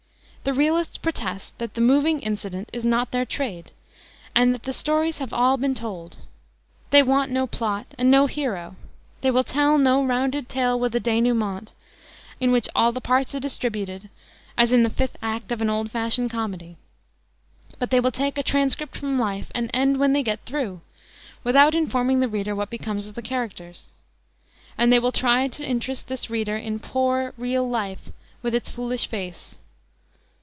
The realists protest that the moving incident is not their trade, and that the stories have all been told. They want no plot and no hero. They will tell no rounded tale with a dénouement, in which all the parts are distributed, as in the fifth act of an old fashioned comedy; but they will take a transcript from life and end when they get through, without informing the reader what becomes of the characters. And they will try to interest this reader in "poor real life" with its "foolish face."